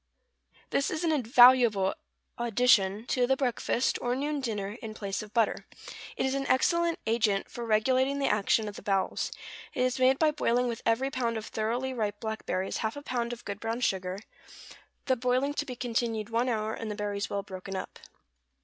= This is an invaluable addition to the breakfast, or noon dinner, in place of butter. It is an excellent agent for regulating the action of the bowels. It is made by boiling with every pound of thoroughly ripe blackberries half a pound of good brown sugar; the boiling to be continued one hour, and the berries well broken up.